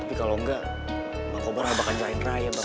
tapi kalau enggak bang kobar akan jalanin raya bang